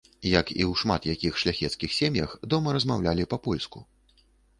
Як і ў шмат якіх шляхецкіх сем'ях, дома размаўлялі па-польску.